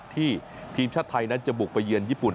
ทีมชาติไทยนั้นจะบุกไปเยือนญี่ปุ่น